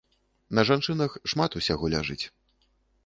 На жанчынах шмат усяго ляжыць.